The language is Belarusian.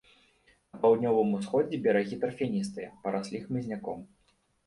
На паўднёвым усходзе берагі тарфяністыя, параслі хмызняком.